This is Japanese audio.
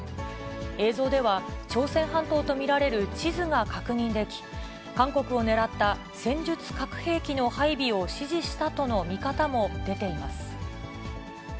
映像では、朝鮮半島と見られる地図が確認でき、韓国を狙った戦術核兵器の配備を指示したとの見方も出ています。